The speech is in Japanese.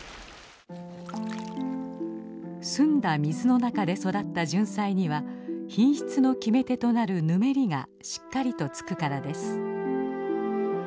澄んだ水の中で育ったジュンサイには品質の決め手となる「ぬめり」がしっかりとつくからです。